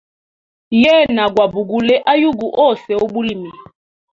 Yena gwa bugule ayugu ose ubulimi.